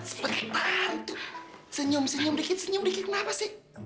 seperti tante senyum senyum dikit senyum dikit kenapa sih